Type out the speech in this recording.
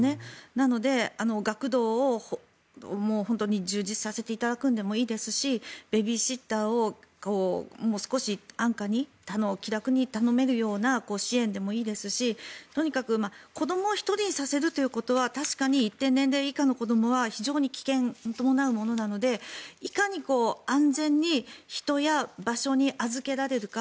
なので学童を充実させていただくのでもいいですしベビーシッターをもう少し安価に気楽に頼めるような支援でもいいですしとにかく子どもを１人にさせるということは確かに一定年齢以下の子どもは非常に危険を伴うものなのでいかに安全に人や場所に預けられるか。